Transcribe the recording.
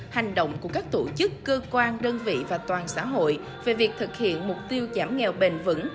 hành động của các tổ chức cơ quan đơn vị và toàn xã hội về việc thực hiện mục tiêu giảm nghèo bền vững